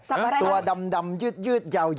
จับมาอะไรหรอ